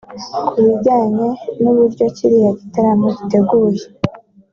Ku bijyanye n’uburyo kiriya gitaramo giteguye